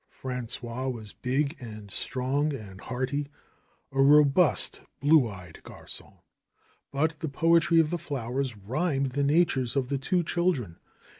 Frangois was big, and strong, and hearty, a robust, blue eyed gargon. But the poetry of the flowers rhymed the natures of the two children.